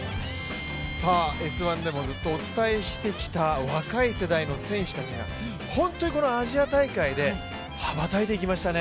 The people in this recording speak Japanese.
「Ｓ☆１」でもずっとお伝えしてきた若い世代の選手たちが本当にこのアジア大会で羽ばたいていきましたね。